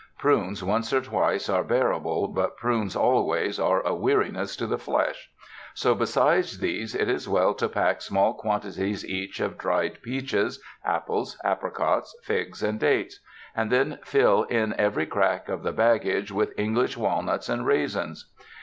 Prunes once or twice are bearable but prunes always are a weariness to the flesh; so besides these it is well to pack small quantities each of dried peaches, apples, apricots, figs and dates; and then fill in every crack of the baggage with English walnuts and raisins.